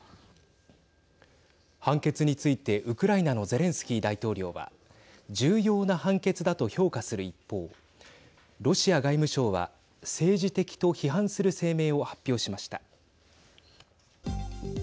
判決についてウクライナのゼレンスキー大統領は重要な判決だと評価する一方ロシア外務省は政治的と批判する声明を発表しました。